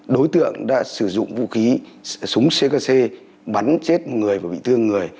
đối tượng đã sử dụng vũ khí súng ckc bắn chết một người và bị thương người